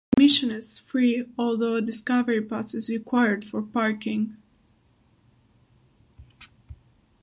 Admission is free, although a Discover Pass is required for parking.